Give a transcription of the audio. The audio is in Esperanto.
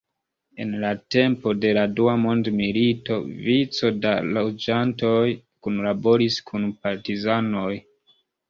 En la tempo de la dua mondmilito vico da loĝantoj kunlaboris kun partizanoj.